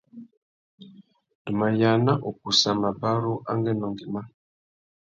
Tu mà yāna ukussa mabarú angüêndô ngüimá.